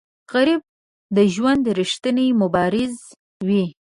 غریب د ژوند ریښتینی مبارز وي